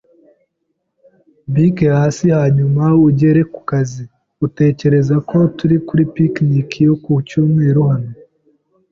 Bike hasi hanyuma ugere ku kazi. Uratekereza ko turi kuri picnic yo ku cyumweru hano?